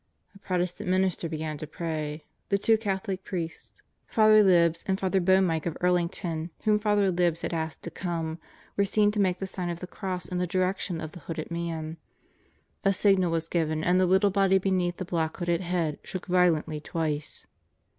A Protestant minister began to pray, the two Catholic priests Father Libs and Father Boehmicke of Earlington, whom Father Libs had asked to come were seen to make the Sign of the Cross in the direction of the hooded man; a signal was given and the little body beneath the black hooded head shook violently twice.